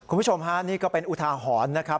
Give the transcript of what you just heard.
คุณผู้ชมฮะนี่ก็เป็นอุทาหรณ์นะครับ